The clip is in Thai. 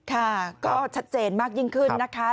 ค่ะก็ชัดเจนมากยิ่งขึ้นนะคะ